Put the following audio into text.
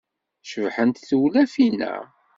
Cebḥent tewlafin-a.